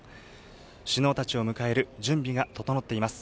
首脳たちを迎える準備が整っています。